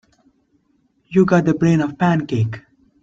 You've got the brain of a pancake.